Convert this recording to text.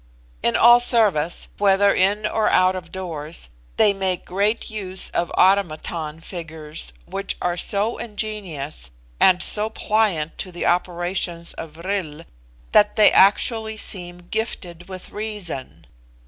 In all service, whether in or out of doors, they make great use of automaton figures, which are so ingenious, and so pliant to the operations of vril, that they actually seem gifted with reason.